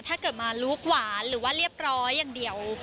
ถ้าเกิดมาลุคหวานหรือว่าเรียบร้อยอย่างเดียว